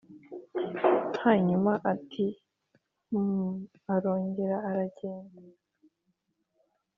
hanyuma ati 'humph!' arongera aragenda.